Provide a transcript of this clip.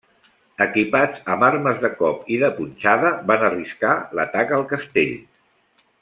Equipats amb armes de cop i de punxada, van arriscar l'atac al castell.